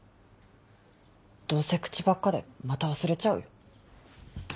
どうせ口ばっかでまた忘れちゃうよ。